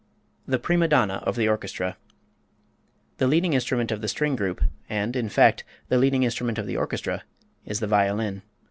The Prima Donna of the Orchestra. The leading instrument of the string group, and in fact the leading instrument of the orchestra, is the violin.